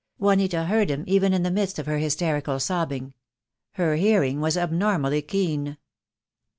Juanita heard him even in the midst of her hysterical sobbing. Her hearing was abnormally keen.